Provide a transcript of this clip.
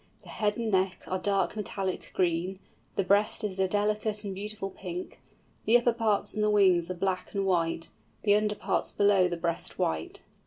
The head and neck are dark metallic green, the breast is a delicate and beautiful pink, the upper parts and the wings are black and white, the under parts below the breast white.